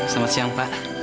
selamat siang pak